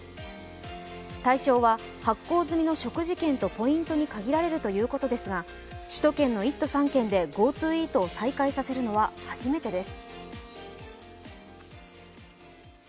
対象は発行済みの食事券とポイントに限られるということですが、首都圏の１都３県でＧｏＴｏイートを再開させるのは初めてです。